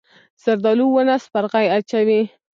زردالو ونه سپرغۍ اچوي.